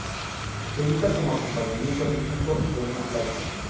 Se usa como acompañamiento rítmico de una flauta.